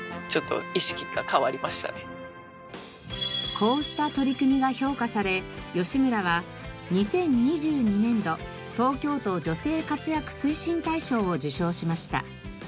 こうした取り組みが評価され吉村は２０２２年度東京都女性活躍推進大賞を受賞しました。